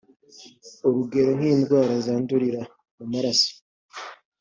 urugero nk’indwara zandurira mu maraso